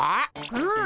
うん。